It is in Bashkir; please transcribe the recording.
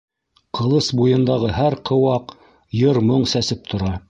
Ҡылыс буйындағы һәр ҡыуаҡ йыр-моң сәсеп тора.